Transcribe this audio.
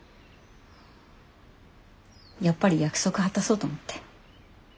やっぱり約束果たそうと思って。